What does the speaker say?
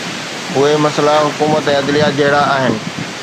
اهي مسئلا حڪومت ۽ عدليه جهڙا آهن